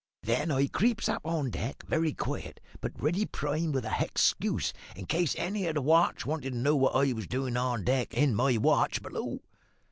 Then I creeps up on deck, very quiet, but ready primed with a hexcuse in case any o' the watch wanted to know what I was doin' on deck in my watch below.